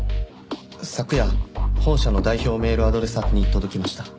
昨夜本社の代表メールアドレス宛てに届きました。